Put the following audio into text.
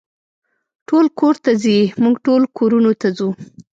ټول کور ته ځي، موږ ټول کورونو ته ځو.